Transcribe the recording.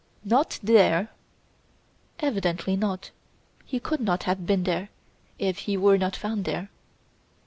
"Not there!" "Evidently, not. He could not have been there, if he were not found there."